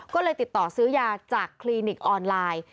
ก็เลยติดต่อซื้อยาจากคลินิกออนไลน์